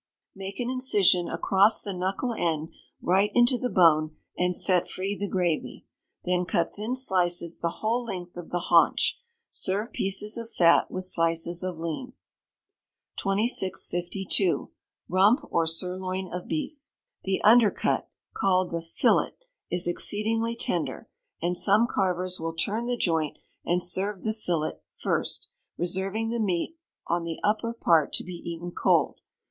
Make an incision across the knuckle end, right into the bone, and set free the gravy. Then cut thin slices the whole length of the haunch. Serve pieces of fat with slices of lean. 2652. Rump or Sirloin of Beef. The undercut, called the "fillet," is exceedingly tender, and some carvers will turn the joint and serve the fillet first, reserving the meat on the upper part to be eaten cold.